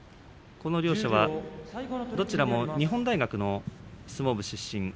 この両者はどちらも日本大学の相撲部出身です。